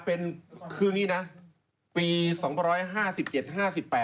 เป็นคืออย่างนี้นะ